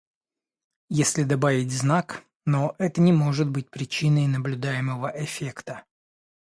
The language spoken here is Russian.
если добавить знак, но это не может быть причиной наблюдаемого эффекта.